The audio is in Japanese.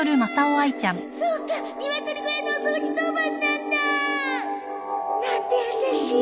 そうかニワトリ小屋のお掃除当番なんだなんて優しい。